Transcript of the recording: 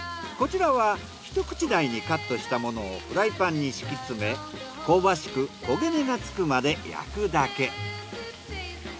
こちらは一口大にカットしたものをフライパンに敷き詰め香ばしく焦げ目がつくまで焼くだけ。